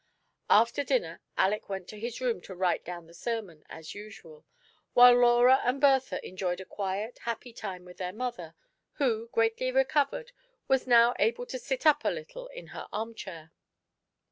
After dinner Aleck went to his room to write down the sermon, as usual ; while Laura and Bertha enjoyed a quiet, happy time with their mother, who, greatly re covered, was now able to sit up a little in her arm chair.